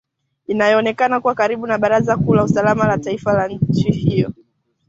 inayoonekana kuwa karibu na baraza kuu la usalama la taifa la nchi hiyo